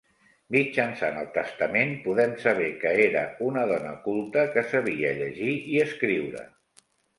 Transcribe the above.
Mitjançant el testament, podem saber que era una dona culta, que sabia llegir i escriure.